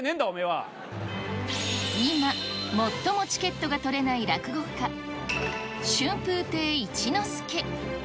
今、最もチケットが取れない落語家、春風亭一之輔。